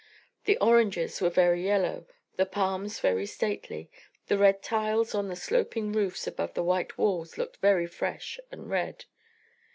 The oranges were very yellow, the palms very stately, the red tiles on the sloping roofs above the white walls looked very fresh and red.